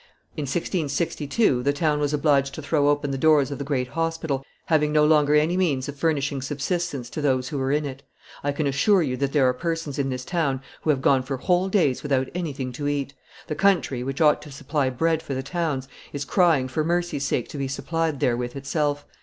"In 1662 the town was obliged to throw open the doors of the great hospital, having no longer any means of furnishing subsistence to those who were in it. I can assure you that there are persons in this town who have gone for whole days without anything to eat. The country, which ought to supply bread for the towns, is crying for mercy's sake to be supplied therewith itself."